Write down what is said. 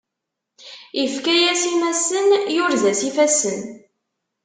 Ifka-yas imassen, yurez-as ifassen.